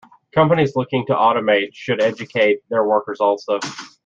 Companies looking to automate should educate their workers also.